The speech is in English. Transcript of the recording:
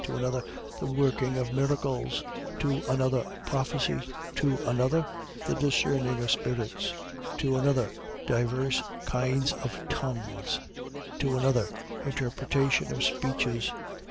To another the working of miracles: to another, prophecy: to another, the discerning of spirits: to another, diverse kinds of tongues: to another, interpretation of speeches.